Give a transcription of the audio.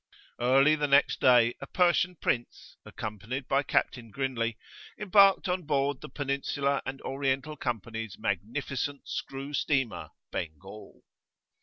Early the next day a "Persian Prince," accompanied by Captain Grindlay, embarked on board the Peninsular and Oriental Company's magnificent screw steamer "Bengal."